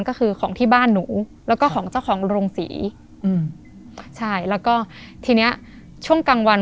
ก็คือของที่บ้านหนูแล้วก็ของเจ้าของโรงศรีอืมใช่แล้วก็ทีเนี้ยช่วงกลางวัน